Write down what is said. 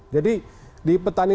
jadi di petani